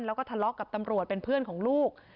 แล้วก็ทะเลาะกับตำรวจเป็นเพื่อนของลูก